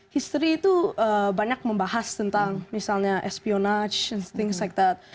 history itu banyak membahas tentang misalnya espionage and things like that